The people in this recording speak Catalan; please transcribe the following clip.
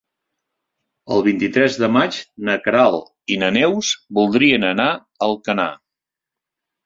El vint-i-tres de maig na Queralt i na Neus voldrien anar a Alcanar.